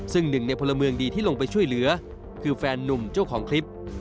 ซึ่งหนึ่งในพลเมืองดีที่ลงไปช่วยเหลือคือแฟนนุ่มเจ้าของคลิป